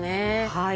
はい。